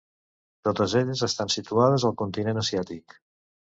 Totes elles estan situades al continent asiàtic.